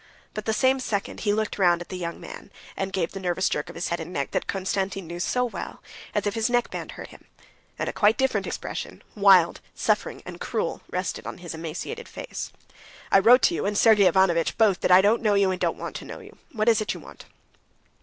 But the same second he looked round at the young man, and gave the nervous jerk of his head and neck that Konstantin knew so well, as if his neckband hurt him; and a quite different expression, wild, suffering, and cruel, rested on his emaciated face. "I wrote to you and Sergey Ivanovitch both that I don't know you and don't want to know you. What is it you want?"